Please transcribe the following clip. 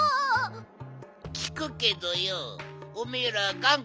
きくけどよおめえらがん